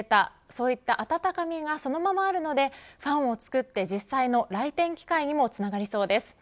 そういった温かみがそのままあるのでファンを作って実際の来店機会にもつながりそうです。